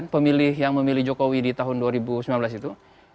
pemilih yang memilih jokowi di tahun dua ribu sembilan belas itu